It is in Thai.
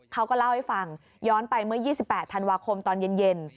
เขาก็เล่าให้ฟังย้อนไปเมื่อ๒๘ธันวาคมตอนเย็น